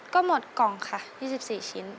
ก็หมดกล่องค่ะ๒๔ชิ้น